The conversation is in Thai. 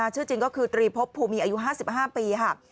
ชื่อจริงก็คือตรีพบภูมิอายุ๕๕ปีค่ะ